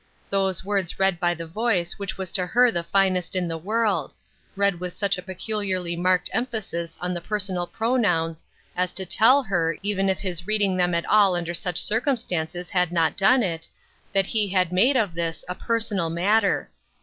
Those words read by the voice which was to her the finest in the world — read with such a peculiarly marked emphasis on the personal pronouns as to tell her, even if his reading them at all under such circumstances had not done it, that he had made of this a personal matter.